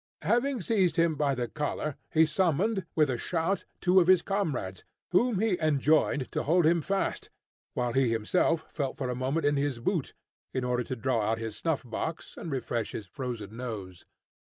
Having seized him by the collar, he summoned, with a shout, two of his comrades, whom he enjoined to hold him fast, while he himself felt for a moment in his boot, in order to draw out his snuff box, and refresh his frozen nose.